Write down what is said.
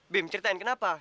bim ceritain kenapa